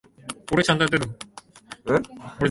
そこに弁証法的論理があるのである。